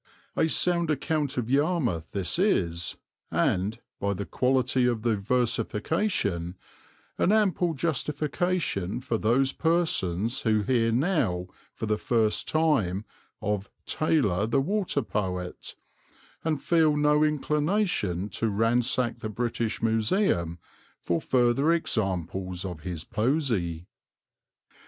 A sound account of Yarmouth this is, and, by the quality of the versification, an ample justification for those persons who hear now for the first time of "Taylor, the Water Poet," and feel no inclination to ransack the British Museum for further examples of his poesy.